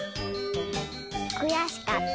くやしかった。